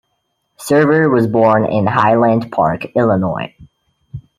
Server was born in Highland Park, Illinois.